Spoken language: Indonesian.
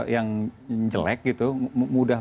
yang jelek gitu mudah